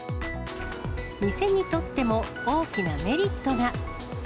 店にとっても大きなメリット